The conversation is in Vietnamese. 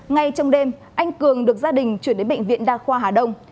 ngay trong đêm anh cường được gia đình chuyển đến bệnh viện đa khoa hà đông